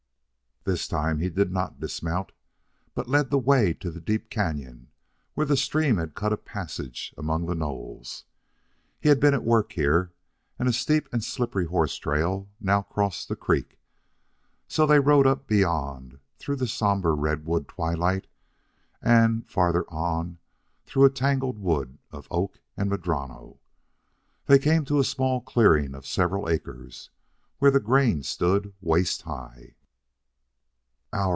This time he did not dismount, but led the way to the deep canon where the stream had cut a passage among the knolls. He had been at work here, and a steep and slippery horse trail now crossed the creek, so they rode up beyond, through the somber redwood twilight, and, farther on, through a tangled wood of oak and madrono. They came to a small clearing of several acres, where the grain stood waist high.